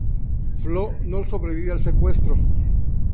Flo no sobrevive al secuestro.